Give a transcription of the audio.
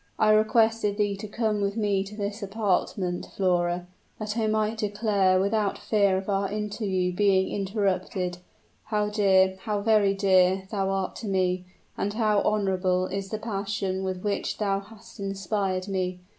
"I requested thee to come with me to this apartment, Flora, that I might declare, without fear of our interview being interrupted, how dear, how very dear, thou art to me, and how honorable is the passion with which thou hast inspired me.